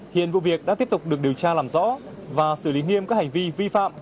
hiện vụ việc đã tiếp tục được điều tra làm rõ và xử lý nghiêm các hành vi vi phạm